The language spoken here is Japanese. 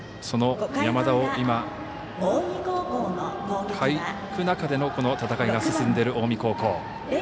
その山田を今、欠く中でのこの戦いが進んでいる近江高校。